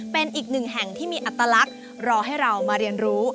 เป็นอีกหนึ่งแห่งที่มีอัตลักษณ์รอให้เรามาเรียนรู้